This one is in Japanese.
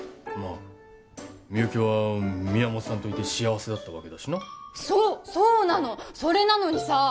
まあみゆきは宮本さんといて幸せだったわけだしなそうそうなのそれなのにさ！